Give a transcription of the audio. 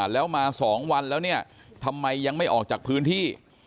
แล้วมา๒วันแล้วเนี่ยทำไมยังไม่ออกจากพื้นที่